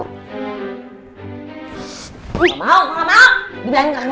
enggak mau enggak mau